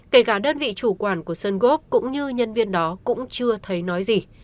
kể cả đơn vị chủ quản của sân góp cũng như nhân viên đó cũng chưa thấy nói gì